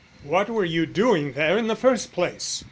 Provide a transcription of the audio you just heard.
What were you doing there in the first place?